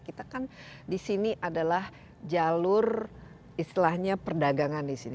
kita kan di sini adalah jalur istilahnya perdagangan di sini